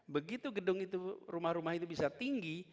begitu gedung itu rumah rumah itu bisa tinggi